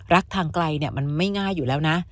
ทางไกลมันไม่ง่ายอยู่แล้วนะ